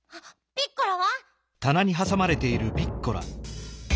ピッコラ！